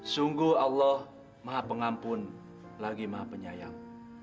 sungguh allah maha pengampun lagi maha penyayang